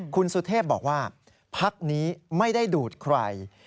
คุณสุเทพบอกว่าพักนี้ไม่ได้ดูดใคร